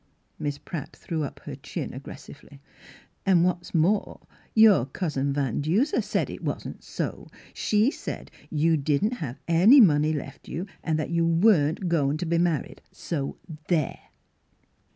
Miss Pratt threw up her chin aggres sively. " An' what's more, ^^our cousin Van Duser said it wasn't so. She said you didn't have money left you and that you weren't goin' t' be married. So there!